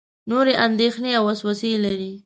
نورې اندېښنې او وسوسې لري.